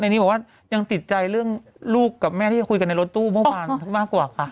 นี้บอกว่ายังติดใจเรื่องลูกกับแม่ที่จะคุยกันในรถตู้เมื่อวานมากกว่าค่ะ